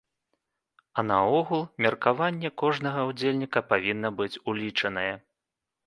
А наогул, меркаванне кожнага ўдзельніка павінна быць улічанае.